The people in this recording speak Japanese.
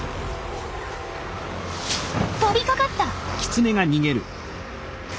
飛びかかった！